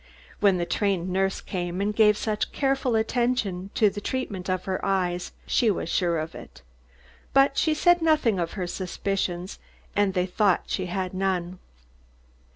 When the trained nurse came and gave such careful attention to the treatment of her eyes, she was sure of it. But she said nothing of her suspicions, and they thought she had none.